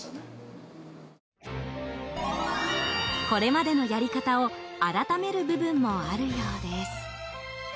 これまでのやり方を改める部分もあるようです。